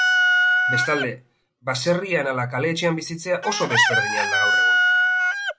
Bestalde, baserrian ala kale-etxean bizitzea oso ezberdina al da gaur egun?